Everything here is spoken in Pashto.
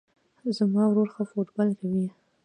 زما ورور ښه فوټبال کوی